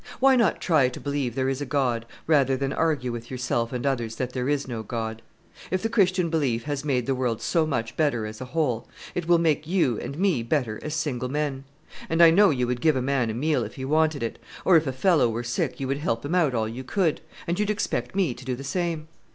Why not try to believe there is a God, rather than argue with yourself and others that there is no God? If the Christian belief has made the world so much better as a whole, it will make you and me better as single men; and I know you would give a man a meal if he wanted it; or if a fellow were sick you would help him out all you could, and you'd expect me to do the same.